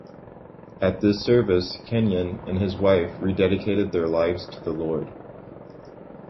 At this service, Kenyon and his wife rededicated their lives to the Lord.